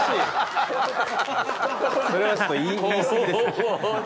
それはちょっと言い過ぎです。